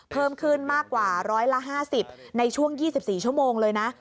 เพิ่มขึ้นมากกว่า๑๕๐ในช่วง๒๔ชั่วโมงเลยนะ